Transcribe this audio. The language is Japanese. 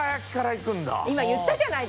今言ったじゃない！